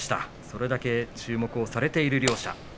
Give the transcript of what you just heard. それだけ注目されている両者です。